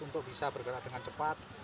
untuk bisa bergerak dengan cepat